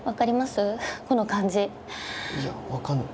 いや分かんない。